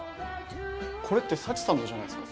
これって幸さんのじゃないですか？